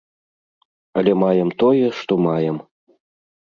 Але маем тое, што маем.